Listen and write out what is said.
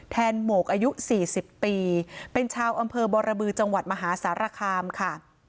หมกอายุ๔๐ปีเป็นชาวอำเภอบรบือจังหวัดมหาสารคามค่ะ